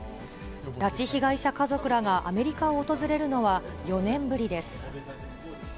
拉致被害者家族らがアメリカを訪れるのは４年ぶりです。